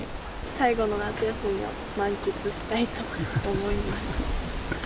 最後の夏休みを満喫したいと思います。